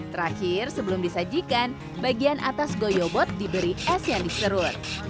terakhir sebelum disajikan bagian atas goyobot diberi es yang diserut